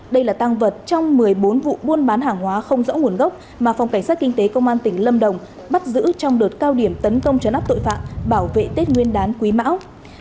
đây là tăng vật trong một mươi bốn vụ buôn bán hàng hóa không rõ nguồn gốc mà phòng cảnh sát kinh tế công an tỉnh lâm đồng bắt giữ trong đợt cao điểm tấn công chấn áp tội phạm bảo vệ tết nguyên đán quý mão